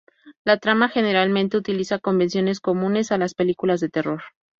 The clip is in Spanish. La trama generalmente utiliza convenciones comunes a las películas de terror.